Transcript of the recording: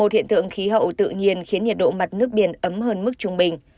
một hiện tượng khí hậu tự nhiên khiến nhiệt độ mặt nước biển ấm hơn mức trung bình